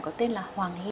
có tên là hoàng li